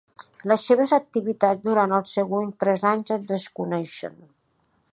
Les seves activitats durant els següents tres anys es desconeixen.